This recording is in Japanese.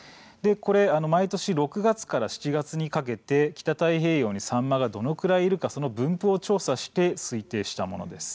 毎年６月から７月にかけて北太平洋にサンマがどのくらいいるかその分布を調査して推定したものです。